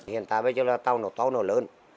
hiện tại bây giờ là tàu nó to nó lớn